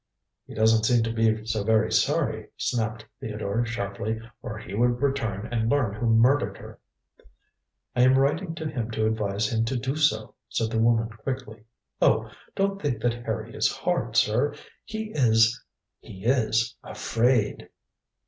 "He doesn't seem to be so very sorry," snapped Theodore sharply, "or he would return and learn who murdered her." "I am writing to him to advise him to do so," said the woman quickly. "Oh, don't think that Harry is hard, sir! He is he is afraid!"